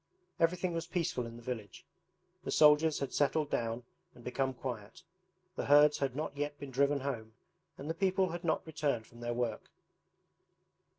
Everything was peaceful in the village. The soldiers had settled down and become quiet. The herds had not yet been driven home and the people had not returned from their work.